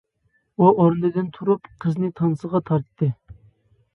ئۇ ئورنىدىن تۇرۇپ قىزنى تانسىغا تارتتى.